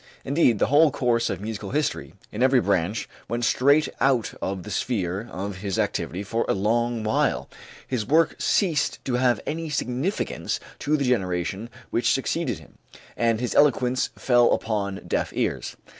Indeed, the whole course of musical history in every branch went straight out of the sphere of his activity for a long while; his work ceased to have any significance to the generation which succeeded him, and his eloquence fell upon deaf ears.